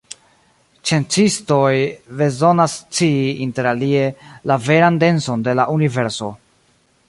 Sciencistoj bezonas scii, interalie, la veran denson de la universo.